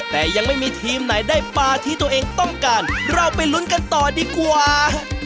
แต่ยังไม่มีทีมไหนได้ปลาที่ตัวเองต้องการเราไปลุ้นกันต่อดีกว่า